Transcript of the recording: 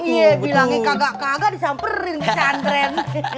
iya bilangnya kakak kakak disamperin ke pesantren